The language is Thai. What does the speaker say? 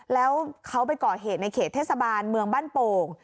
แล้วเขาไปก่อเหตุในเขตเทศบาลเมืองบ้านโป่ง